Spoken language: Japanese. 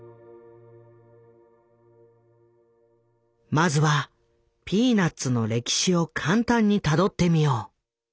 まずは「ピーナッツ」の歴史を簡単にたどってみよう。